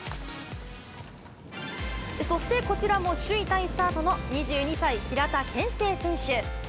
そしてこちらも首位タイスタートの２２歳、平田憲聖選手。